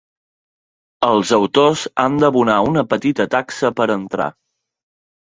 Els autors han d'abonar una petita taxa per a entrar.